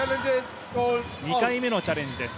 ２回目のチャレンジです。